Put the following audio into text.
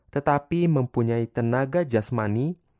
tetapi mempunyai tenaga jasmani